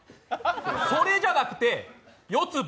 「それ」じゃなくて「四葉」